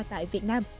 tại việt nam